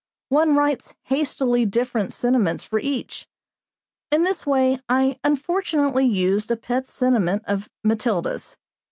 One writes hastily different sentiments for each. In this way I unfortunately used a pet sentiment of Matilda's.